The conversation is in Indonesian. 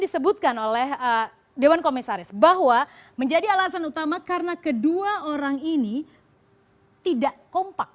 disebutkan oleh dewan komisaris bahwa menjadi alasan utama karena kedua orang ini tidak kompak